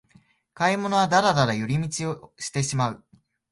買い物はダラダラ寄り道してしまう